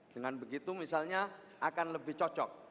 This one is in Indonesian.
dengan begitu misalnya akan lebih cocok